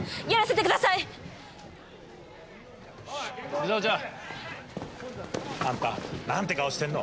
ミサオちゃん。あんたなんて顔してるの。